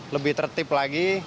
lebih tertib lagi